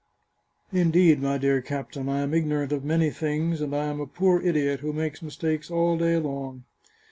" Indeed, my dear captain, I am ignorant of many things, and I am a poor idiot who makes mistakes all day long."